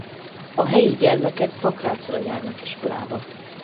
A helyi gyermekek Pakrácra járnak iskolába.